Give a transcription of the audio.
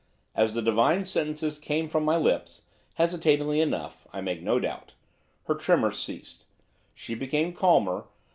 As the divine sentences came from my lips, hesitatingly enough, I make no doubt, her tremors ceased. She became calmer.